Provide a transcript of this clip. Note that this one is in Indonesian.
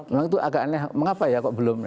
memang itu agak aneh mengapa ya kok belum